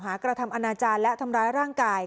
กระทำอนาจารย์และทำร้ายร่างกาย